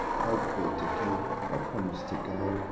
"Oh! poor Dickie. "I promised to go.